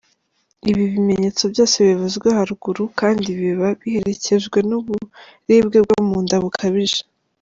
Ibi bimenyetso byose bivuzwe haruguru kandi biba biherekejwe n’uburibwe bwo mu nda bukabije.